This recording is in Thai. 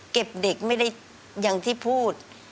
เด็กไม่ได้อย่างที่พูด